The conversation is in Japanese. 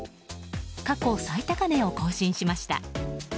過去最高値を更新しました。